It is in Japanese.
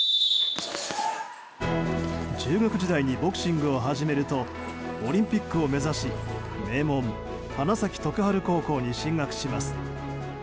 中学時代にボクシングを始めるとオリンピックを目指し、名門花咲徳栄高校に進学します。